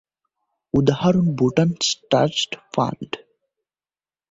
উদাহরণ- Bhutan trust fund.